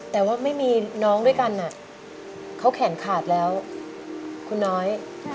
แต่ว่าไม่มีน้องด้วยกันเขาแขนขาดแล้วคุณน้อย